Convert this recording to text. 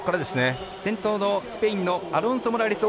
先頭のスペインのアロンソモラレス